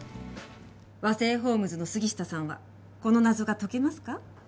和製ホームズの杉下さんはこの謎が解けますか？